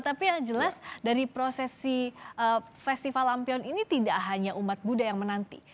tapi yang jelas dari prosesi festival lampion ini tidak hanya umat buddha yang menanti